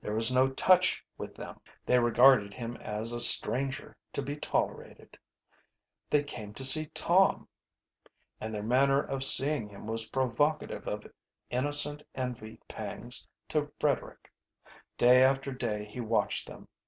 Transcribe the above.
There was no touch with them. They regarded him as a stranger to be tolerated. They came to see Tom. And their manner of seeing him was provocative of innocent envy pangs to Frederick. Day after day he watched them.